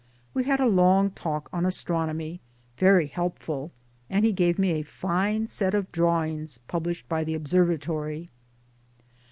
We had a long talk on Astronomy, very help ful, and he gave me a fine set of drawings published by the Observatory.